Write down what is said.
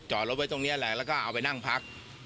รถไว้ตรงนี้แหละแล้วก็เอาไปนั่งพัก